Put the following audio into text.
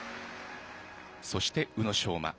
そして、宇野昌磨。